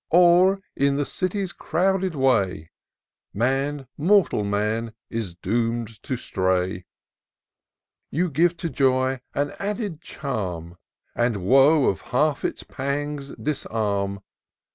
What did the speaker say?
Or in the city's crowded way, Man— mortal man, is doom'd to stray ; You give to joy an added charm, And woe of half its pangs disarm.